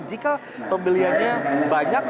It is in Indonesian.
jika pembeliannya banyak